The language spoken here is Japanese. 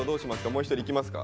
もう一人いきますか？